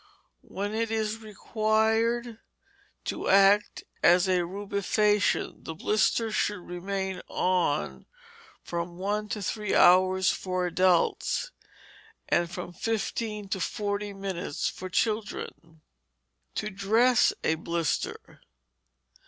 When it is required to act as a rubefacient, the blister should remain on from one to three hours for adults, and from fifteen to forty minutes for children. _To dress a blister.